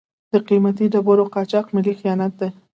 د قیمتي ډبرو قاچاق ملي خیانت دی.